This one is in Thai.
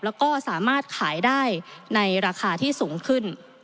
แล้วก็สามารถขายได้ในราคาที่สูงขึ้น